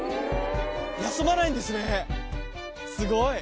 休まないんですねすごい。